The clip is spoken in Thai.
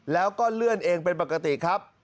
แล้วก็เลื่อนเองเป็นปกติครับ